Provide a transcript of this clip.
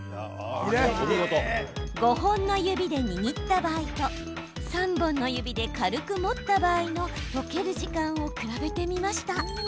５本の指で握った場合と３本の指で軽く持った場合の溶ける時間を比べてみました。